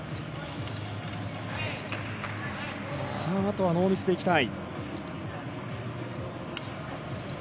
あとはノーミスで行きたい。